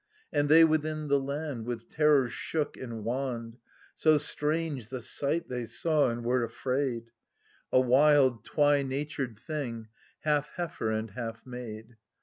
And they within the land *With terror shook and wanned, So strange the sight they saw, and were afraid —_, A wild twy natured thing, half heifer and half maid. .